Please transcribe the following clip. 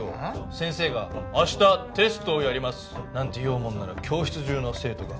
先生が「明日テストをやります」なんて言おうもんなら教室中の生徒が。